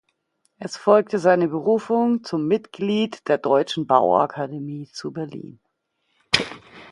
Es folgte seine Berufung zum Mitglied der Deutschen Bauakademie zu Berlin.